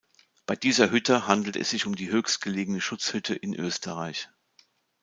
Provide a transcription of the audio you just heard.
Bei dieser Hütte handelt es sich um die höchstgelegene Schutzhütte in Österreich.